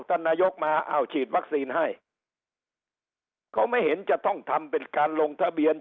ท่านนายกมาอ้าวฉีดวัคซีนให้เขาไม่เห็นจะต้องทำเป็นการลงทะเบียน